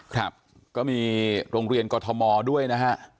ครับก็มีโรงเรียนกรทมด้วยนะฮะ